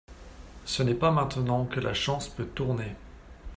Ce n'est pas maintenant que la chance peut tourner.